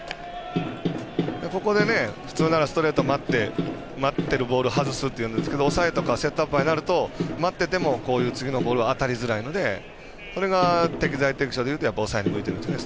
ここで普通ならストレート待って待ってるボール外すっていうんですけど抑えとかセットアッパーになると待っててもこういう次のボールは当たりづらいのでこれが適材適所で抑えに向いてるんですよね。